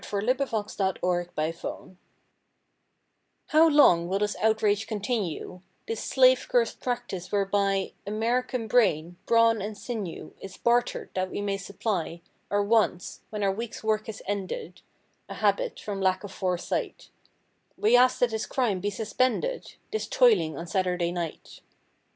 179 IN BEHALF OF OUR RETAIL CLERKS How long will this outrage continue— This slave cursed practice whereby American brain, brawn and sinew Is bartered that we may supply Our 'wants when our week's work is ended (A habit from lack of foresight) We ask that this crime be suspended— This toiling on Saturday night.